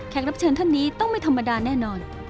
รับเชิญท่านนี้ต้องไม่ธรรมดาแน่นอน